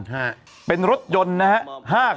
ฮะเป็นรถยนต์นะฮะห้าคลิป